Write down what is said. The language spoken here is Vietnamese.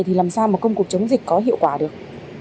thì làm sao mà công cuộc chống dịch có hiệu quả được